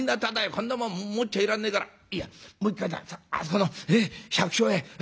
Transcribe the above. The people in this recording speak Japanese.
こんなもん持っちゃいらんねえからいやもう一回あそこの百姓家へ預けよう。